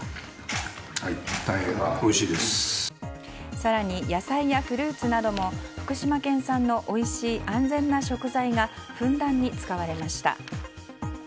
更に、野菜やフルーツなども福島県産のおいしい安全な食材がふんだんに使われました。